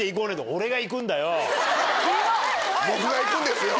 僕が行くんですよ。